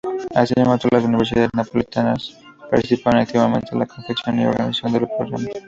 Asimismo todas las universidades napolitanas participaron activamente en la confección y organización del programa.